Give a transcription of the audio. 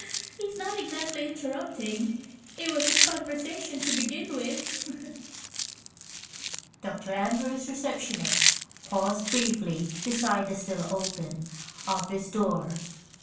(He's not exactly interrupting it was his conversation to begin with!) Dr. Andrews' receptionist paused briefly beside the still open office door.